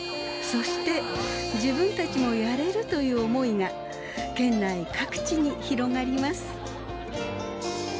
そして「自分たちもやれる」という思いが県内各地に広がります。